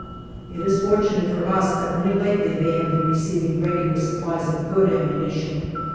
It is fortunate for us that only lately they have been receiving regular supplies of good ammunition.